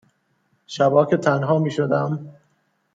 شبا که تنها می شدم